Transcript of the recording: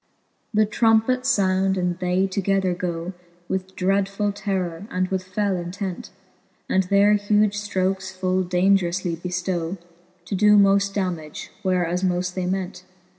XVII. The trompets found, and they together goe, With dreadfuU terror, and with fell intent ; And their huge flrokes full daungeroufly beftow, To doe moft dammage, where as moft they ment.